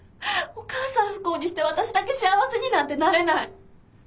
お母さん不幸にして私だけ幸せになんてなれない。